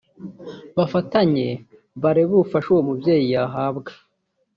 bafatanye barebe ubufasha uwo mubyeyi yahabwa